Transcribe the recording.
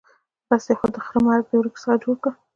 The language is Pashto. بس دی؛ د خره مرګ دې ورڅخه جوړ کړ.